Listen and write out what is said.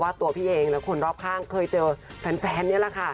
ตัวพี่เองและคนรอบข้างเคยเจอแฟนนี่แหละค่ะ